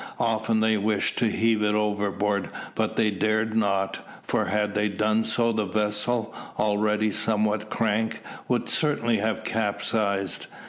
Often they wished to heave it overboard, but they dared not; for had they done so the vessel, already somewhat crank, would certainly have capsized.